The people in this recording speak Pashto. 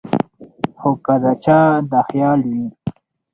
خو کۀ د چا دا خيال وي